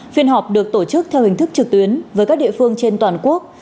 phiên họp được tổ chức theo hình thức trực tuyến với các địa phương trên toàn quốc